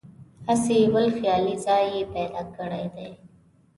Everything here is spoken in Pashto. هسې بل خیالي ځای یې پیدا کړی دی.